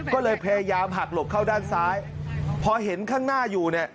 ก็เลยพยายามหักหลบเข้าด้านซ้ายพอเห็นข้างหน้าอยู่เนี่ย